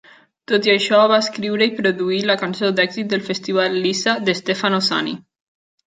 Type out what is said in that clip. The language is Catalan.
Tot i això, va escriure i produir la cançó d'èxit del festival "Lisa" de Stefano Sani.